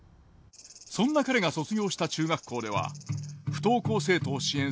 そんな彼が卒業した中学校では不登校生徒を支援する教室